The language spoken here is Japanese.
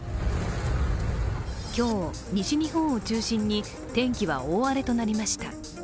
今日、西日本を中心に天気は大荒れとなりました。